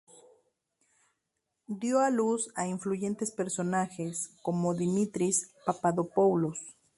Dio a luz a influyentes personajes como Dimitris Papadopoulos.